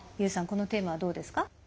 このテーマはどうですか？